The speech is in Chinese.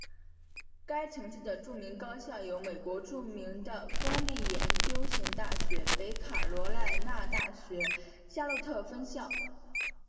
该城市的著名高校有美国著名的公立研究型大学北卡罗莱纳大学夏洛特分校。